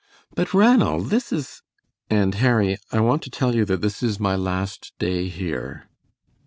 "But, Ranald, this is " "And, Harry, I want to tell you that this is my last day here."